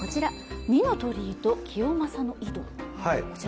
二の鳥居と清正の井戸。